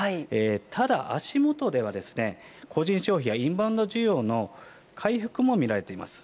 ただ、足元では、個人消費やインバウンド需要の回復も見られています。